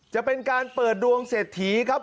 จะเป็นการเปิดดวงเศรษฐีครับ